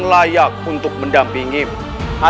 dia layak untuk mengembang tugas kita